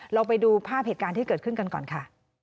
เราไปดูภาพเหตุการณ์ที่เกิดขึ้นกันก่อนค่ะ